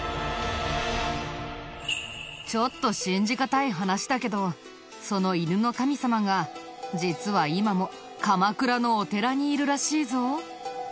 ちょっと信じがたい話だけどその犬の神様が実は今も鎌倉のお寺にいるらしいぞ。